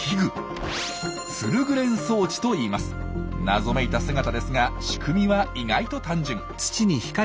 謎めいた姿ですが仕組みは意外と単純。